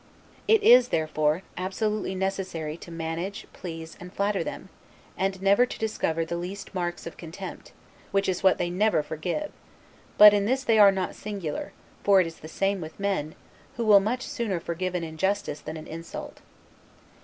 It is, therefore; absolutely necessary to manage, please, and flatter them and never to discover the least marks of contempt, which is what they never forgive; but in this they are not singular, for it is the same with men; who will much sooner forgive an injustice than an insult.